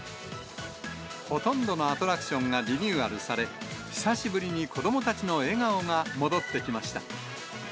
ほとんどのアトラクションがリニューアルされ、久しぶりに子どもたちの笑顔が戻ってきました。